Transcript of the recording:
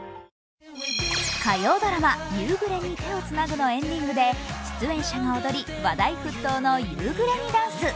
火曜ドラマ「夕暮れに、手をつなぐ」のエンディングで出演者が踊り話題沸騰の夕暮れにダンス。